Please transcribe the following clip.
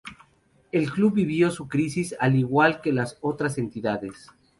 El club vivió su crisis al igual que las otras entidades.